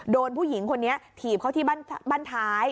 โดนผู้หญิงคนนี้ถีบเขาที่บ้านท้าย